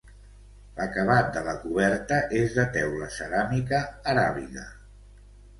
L'acabat de la coberta és de teula ceràmica aràbiga.